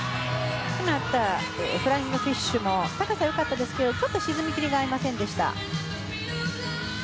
フライングフィッシュも高さが良かったですがちょっと沈み切りがありませんでした。